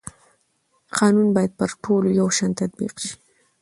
قانون باید پر ټولو یو شان تطبیق شي